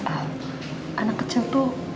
anak kecil tuh